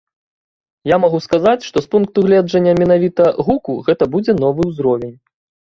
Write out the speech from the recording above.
Я магу сказаць, што з пункту гледжання менавіта гуку гэта будзе новы ўзровень.